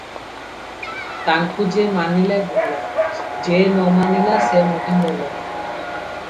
ତାଙ୍କୁ ଯେ ମାନିଲା ଭଲ, ଯେ ନ ମାନିଲା ସେ ମଧ୍ୟ ଭଲ ।